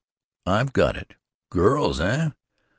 I've got it. Girls, eh?